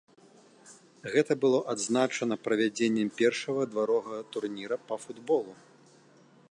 Гэта было адзначана правядзеннем першага дваровага турніра па футболу.